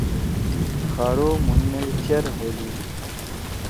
خارو مُھن مئل چیر ہودی۔